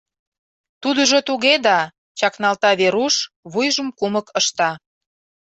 — Тудыжо туге да... — чакналта Веруш, вуйжым кумык ышта.